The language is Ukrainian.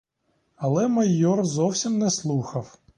Але майор зовсім не слухав.